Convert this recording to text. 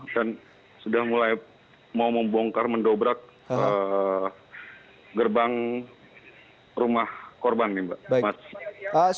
dan sudah mulai mau membongkar mendobrak gerbang rumah korban ini mas